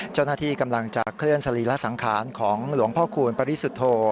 เจ้าหน้าที่กำลังจะเคลื่อนสรีระสังขารของหลวงพ่อคูณปริสุทธโธ